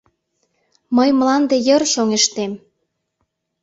— Мый мланде йыр чоҥештем.